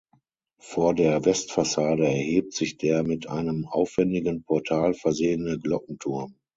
Vor der Westfassade erhebt sich der mit einem aufwändigen Portal versehene Glockenturm.